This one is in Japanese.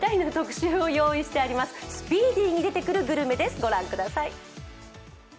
スピーディーに出てくるグルメです、御覧ください。